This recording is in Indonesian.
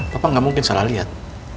papa gak mungkin salah lihat